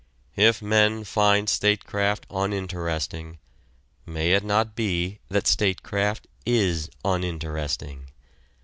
If men find statecraft uninteresting, may it not be that statecraft is uninteresting?